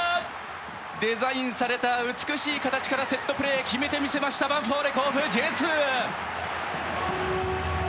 デザインされた美しい形からセットプレー決めてみせましたヴァンフォーレ甲府Ｊ２！